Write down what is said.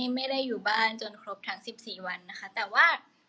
ไม่ได้อยู่บ้านจนครบทั้ง๑๔วันนะคะแต่ว่า